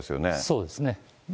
そうですね。